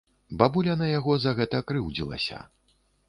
Бабуля на яго за гэта крыўдзілася.